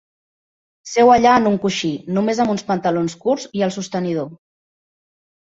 Seu allà en un coixí, només amb uns pantalons curts i el sostenidor.